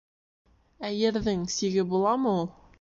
— Ә ерҙең сиге буламы ул?